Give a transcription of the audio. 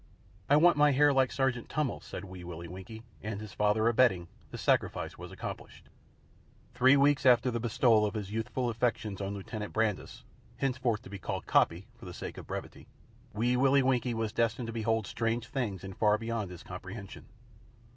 "I want my hair like Sergeant Tummil's," said Wee Willie Winkie, and, his father abetting, the sacrifice was accomplished. Three weeks after the bestowal of his youthful affections on Lieutenant Brandis henceforward to be called "Coppy" for the sake of brevity Wee Willie Winkie was destined to behold strange things and far beyond his comprehension.